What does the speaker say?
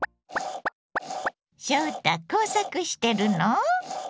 翔太工作してるの？